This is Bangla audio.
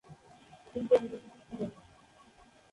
কিন্তু ইংরেজিতে ছিল না।